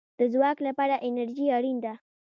د ځواک لپاره انرژي اړین ده